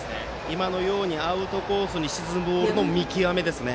今のようにアウトコースに沈むボールの見極めですね。